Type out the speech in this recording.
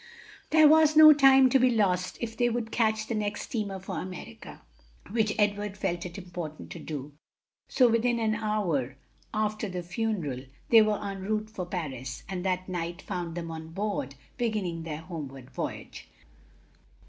There was no time to be lost if they would catch the next steamer for America, which Edward felt it important to do; so within an hour after the funeral they were en route for Paris, and that night found them on board, beginning their homeward voyage.